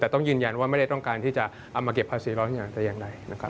แต่ต้องยืนยันว่าไม่ได้ต้องการที่จะเอามาเก็บภาษีร้อนแต่อย่างใดนะครับ